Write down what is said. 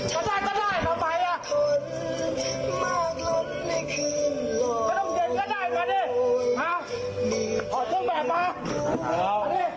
ก็ต้องเด็กก็ได้มาดิ